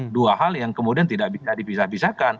dua hal yang kemudian tidak bisa dipisah pisahkan